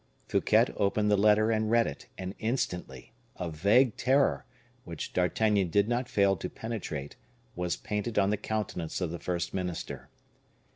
Fouquet opened the letter and read it, and instantly a vague terror, which D'Artagnan did not fail to penetrate, was painted on the countenance of the first minister.